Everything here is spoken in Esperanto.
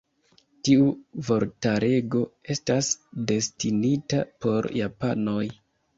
Tiu vortarego estas destinita por japanoj.